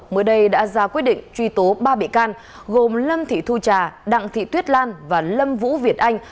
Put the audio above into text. mới đây đã ra quyết định truy tố ba bị can gồm lâm thị thu trà đặng thị tuyết lan và lâm vũ việt anh